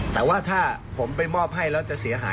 แต่ว่าความทรงจำผมถ้าจะมอบให้แล้วจะเสียหาย